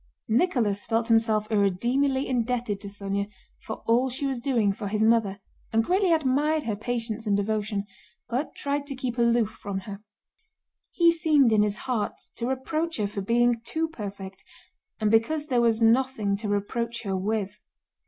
Nicholas felt himself irredeemably indebted to Sónya for all she was doing for his mother and greatly admired her patience and devotion, but tried to keep aloof from her. He seemed in his heart to reproach her for being too perfect, and because there was nothing to reproach her with.